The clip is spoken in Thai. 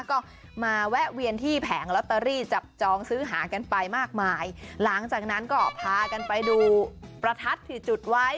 ก็มาแวะเวียนที่แผงลอตเตอรี่จับจองซื้อหากันไปมากมายหลังจากนั้นก็พากันไปดูประทัดที่จุดไว้